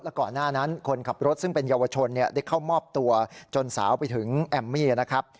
ก่อนหน้านั้นคนขับรถซึ่งเป็นเยาวชนได้เข้ามอบตัวจนสาวไปถึงแอมมี่นะครับ